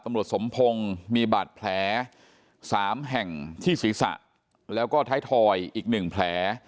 ตำรวจสมพงศ์มีบาดแผล๓แห่งที่ศีรษะแล้วก็ท้ายทอยอีก๑แผล